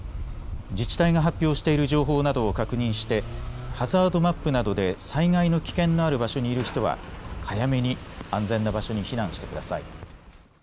自治体が発表している情報などを確認してハザードマップなどで災害の危険のある場所にいる人は早めに安全な場所に避難してください。